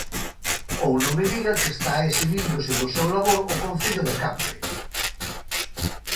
Ou non me diga que está eximíndose do seu labor o Concello de Cambre.